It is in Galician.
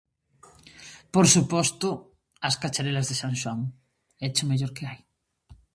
Por suposto, as cacharelas de San Xoán, éche o mellor que hai.